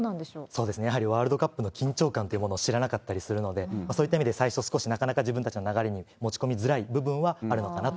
そうですね、やはりワールドカップの緊張感というものを知らなかったりするので、そういった意味で、最初、なかなか自分たちの流れに持ち込みづらい部分はあるのかなと。